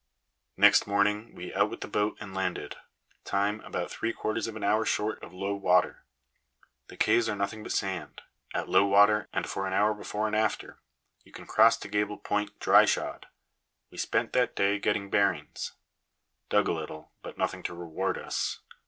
Next morning we out with the boat and landed. Time, about three quarters of an hour short of low water. The Kays are nothing but sand. At low water, and for an hour before and after, you can cross to Gable point dry shod. We spent that day getting bearings; dug a little, but nothing to reward us.